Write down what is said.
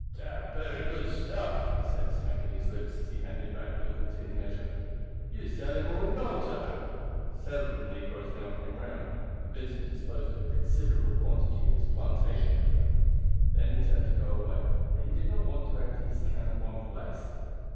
"Dat bery good stuff," he said, smacking his lips as he handed back the little tin measure. "You sell him all in no time." Several of the negroes now came round, and Vincent disposed of a considerable quantity of his plantation liquor. Then he turned to go away, for he did not want to empty his can at one place.